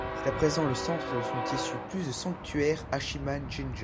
C'est à présent le centre dont sont issus plus de sanctuaires Hachiman jinja.